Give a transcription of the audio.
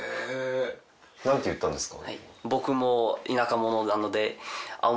何て言ったんですか？